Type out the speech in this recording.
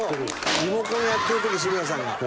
「リモコンやってる時志村さんが」